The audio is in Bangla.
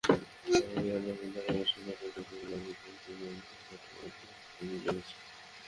মাহফুজুল আলম, ধারাভাষ্যকার, রেডিও ভূমিআগের দিন দুই অধিনায়কই বলেছিলেন, মেলবোর্নের স্মৃতি ভুলে গেছেন।